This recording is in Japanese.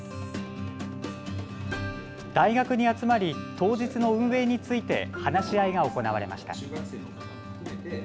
大学に集まり当日の運営について話し合いが行われました。